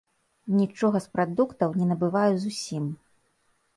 Нічога з прадуктаў не набываю зусім.